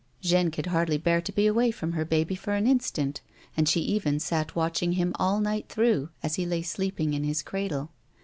Jeanne could hardly bear to be away from her baby for an instant, and she even sat watch ing him all night through as he lay sleeping in his cradle.